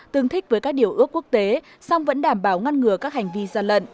tương thích với các điều ước quốc tế song vẫn đảm bảo ngăn ngừa các hành vi gian lận